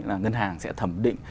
là ngân hàng sẽ thẩm định